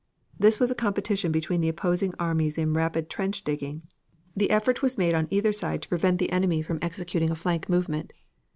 This was a competition between the opposing armies in rapid trench digging. The effort on either side was made to prevent the enemy from executing a flank movement.